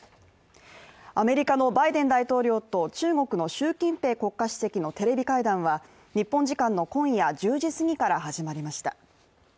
アメリカのバイデン大統領と中国の習近平国家主席のテレビ会談は日本時間の今夜１０時すぎから始まりました。